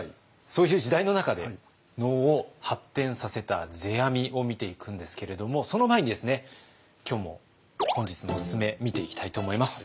そういう時代の中で能を発展させた世阿弥を見ていくんですけれどもその前にですね今日も本日のおすすめ見ていきたいと思います。